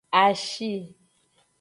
Ashi.